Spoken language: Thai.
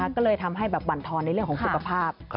ก็เลยทำให้แบบบรรทอนในเรื่องของสุขภาพ